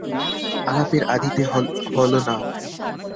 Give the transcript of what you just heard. আলাপের আদিতে হল নাম।